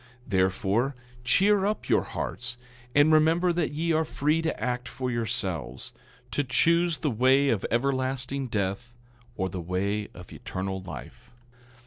10:23 Therefore, cheer up your hearts, and remember that ye are free to act for yourselves—to choose the way of everlasting death or the way of eternal life.